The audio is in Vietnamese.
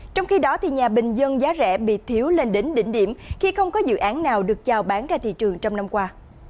trong khi đó nhà bình dân giá rẻ bị thiếu lên đến đỉnh điểm khi không có dự án nào được chào bán ra thị trường trong năm qua